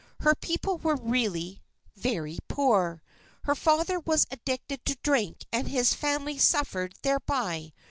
Her people were really very poor. Her father was addicted to drink and his family suffered thereby.